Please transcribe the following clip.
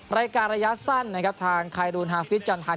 รายการระยะสั้นนะครับทางไครูนฮาฟิศจันทัน